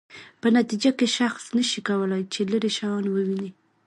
په نتیجه کې شخص نشي کولای چې لیرې شیان وویني.